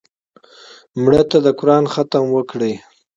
مړه ته د قرآن ختم وکړې